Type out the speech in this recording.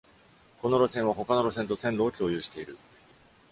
この路線は他の路線と線路を共有している。